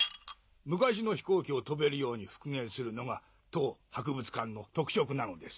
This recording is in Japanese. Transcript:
昔の飛行機を飛べるように復元するのが当博物館の特色なのです。